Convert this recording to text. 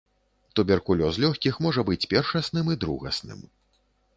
Туберкулёз лёгкіх можа быць першасным і другасным.